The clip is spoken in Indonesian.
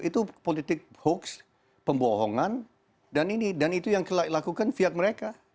itu politik hoax pembohongan dan itu yang dilakukan pihak mereka